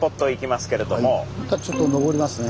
またちょっと上りますね。